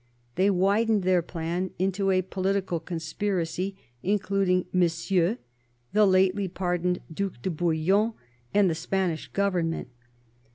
They widened their plan into a political conspiracy, including Monsieur, the lately pardoned Due de Bouillon, and the Spanish government.